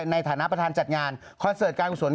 ในฐานะประธานจัดงานคอนเสิร์ตการกุศล